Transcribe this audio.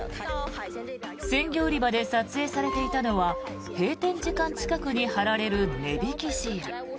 鮮魚売り場で撮影されていたのは閉店時間近くに貼られる値引きシール。